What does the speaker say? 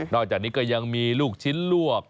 อกจากนี้ก็ยังมีลูกชิ้นลวก